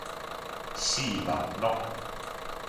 四目鹿